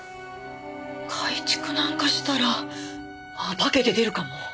改築なんかしたら化けて出るかも。